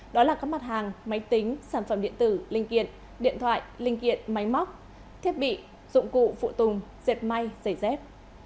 đó là các mặt hàng máy tính sản phẩm điện tử linh kiện điện thoại linh kiện máy móc thiết bị dụng cụ phụ tùng dẹp may giày dép